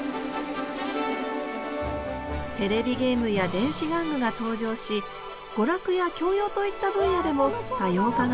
テレビゲームや電子玩具が登場し娯楽や教養といった分野でも多様化が進んでいきました